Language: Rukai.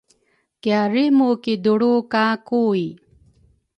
kiarimu kidulru ka Kui.